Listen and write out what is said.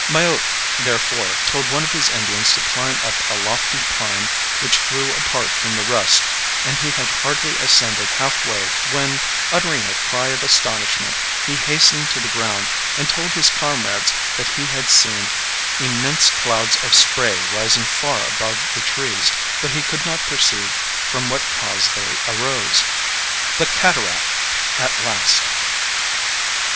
Maiook, therefore, told one of his Indians to climb up a lofty pine which grew apart from the rest, and he had hardly ascended half way when, uttering a cry of astonishment, he hastened to the ground and told his comrades that he had seen immense clouds of spray rising far above the trees, but he could not perceive from what cause they arose. The Cataract at Last!